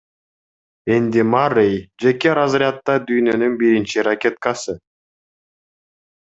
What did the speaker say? Энди Маррей — жеке разрядда дүйнөнүн биринчи ракеткасы.